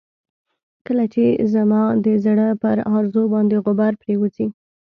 کله چې زما د زړه پر ارزو باندې غبار پرېوځي.